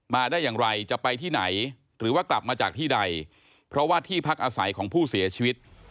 ได้อย่างไรจะไปที่ไหนหรือว่ากลับมาจากที่ใดเพราะว่าที่พักอาศัยของผู้เสียชีวิต